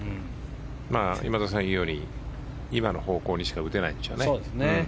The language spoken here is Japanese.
今田さんが言うように今の方向にしか打てないんでしょうね。